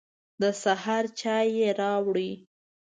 د سهار چای يې راوړ.